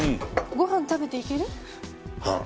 ご飯食べていける？ああ。